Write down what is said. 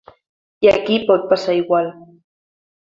I aquí pot passar igual.